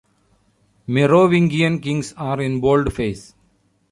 Merovingian kings are in boldface.